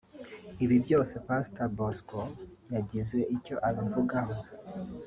Ibi byose Pastor Bosco yagize icyo abivugaho